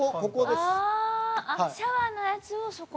吉高：シャワーのやつをそこに。